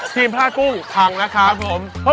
ทีมพลาดกุ้งพังนะครับพรุ่งครับผม